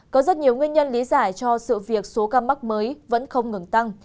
có rất nhiều nguyên nhân lý giải cho sự việc số ca mắc mới vẫn không ngừng tăng